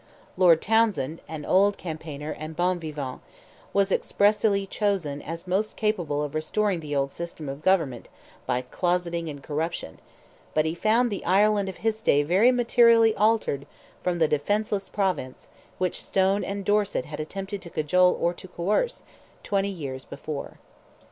Lord Townsend, an old campaigner and bon vivant, was expressly chosen as most capable of restoring the old system of government by closeting and corruption, but he found the Ireland of his day very materially altered from the defenceless province, which Stone and Dorset had attempted to cajole or to coerce, twenty years before.